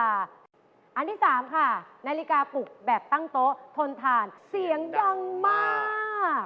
อันที่๓ค่ะนาฬิกาปลุกแบบตั้งโต๊ะทนทานเสียงดังมาก